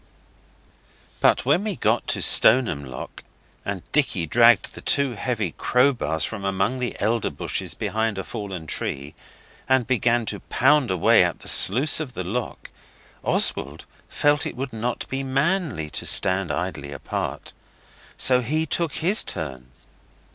But when we got to Stoneham Lock, and Dicky dragged the two heavy crowbars from among the elder bushes behind a fallen tree, and began to pound away at the sluice of the lock, Oswald felt it would not be manly to stand idly apart. So he took his turn.